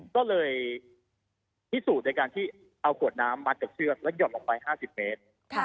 ก็เลยพิสูจน์ในการที่เอาขวดน้ำมัดกับเชือกแล้วหย่อนลงไป๕๐เมตร